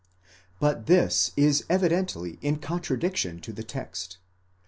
*7 But this is evidently in contradiction to the text.